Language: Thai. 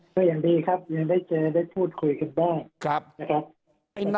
ก็ยังดีครับยังได้พูดคุยกันได้นะครับ